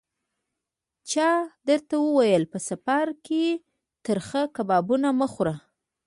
چا درته ویل: په سفر کې ترخه کبابونه مه خوره.